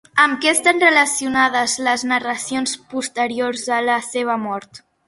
Amb què estan relacionades les narracions posteriors a la seva mort?